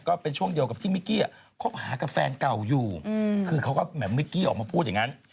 ก็เป็นช่วงเดียวกับที่มิกกี้คบหากับแฟนเก่าอยู่คือเขาก็แหม่มมิกกี้ออกมาพูดอย่างนั้น